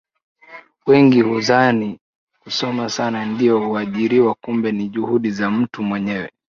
wengi huzani kusoma Sana ndio kuajiriwa kumbe ni juhudi za mtu mwenyewe